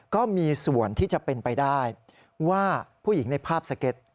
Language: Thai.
ก็มีส่วนที่จะเป็นไปได้ว่าผู้หญิงในภาพสเก็ต